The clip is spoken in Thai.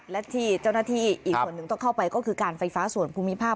และที่เจ้าหน้าที่อีกส่วนหนึ่งต้องเข้าไปก็คือการไฟฟ้าส่วนภูมิภาค